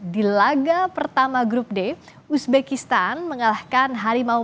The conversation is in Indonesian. di laga pertama grup d uzbekistan mengalahkan harimau